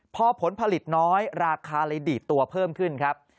พอผลผลิตน้อยราคาเลยดีดตัวเพิ่มขึ้นครับ